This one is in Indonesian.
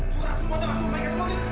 cura semua dia langsung bagi kemoti